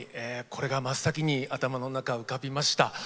これが真っ先に頭の中浮かびました。